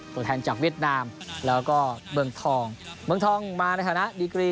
ตัวแทนจากเวียดนามแล้วก็เมืองทองเมืองทองมาในฐานะดีกรี